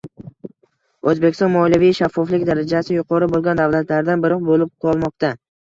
O'zbekiston moliyaviy shaffoflik darajasi yuqori bo'lgan davlatlardan biri bo'lib qolmoqda